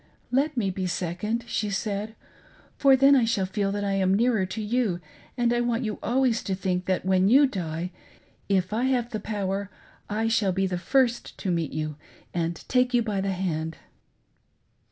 "Let me be second," she said, "for then I shall feel that I am nearer to you, and I want you always to think that, when you die, if I have, the power, I. shall be the first to meet you and take you by the hand."